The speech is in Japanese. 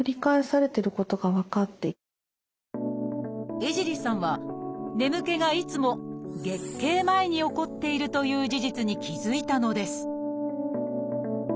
江尻さんは眠気がいつも月経前に起こっているという事実に気付いたのです